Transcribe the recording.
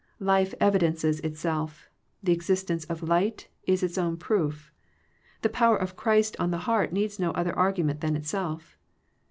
Life evidences itself: the existence of light is its own proof. The power of Christ on the heart needs no other argument than itself.